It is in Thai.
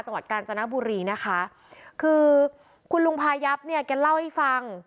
จังหวัดกาญจนบุรีนะคะคือคุณลุงพายับเนี่ยแกเล่าให้ฟัง